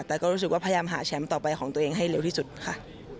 แต่ก็รู้สึกว่าพยายามหาแชมป์ต่อไปของตัวเองให้เร็วที่สุดค่ะ